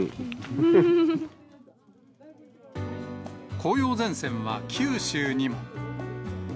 紅葉前線は九州にも。